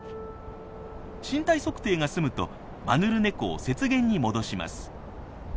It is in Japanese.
身体測定がすむとマヌルネコを雪原に戻します。